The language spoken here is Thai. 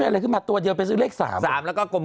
หน่อยนะคุณแม่นะแน่คุณแม่ขอให้ทำให้